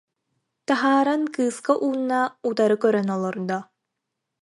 Таһааран кыыска уунна, утары көрөн олордо